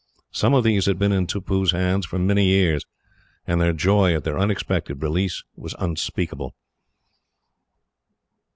Some of these had been in Tippoo's hands for many years, and their joy at their unexpected release was unspeakable.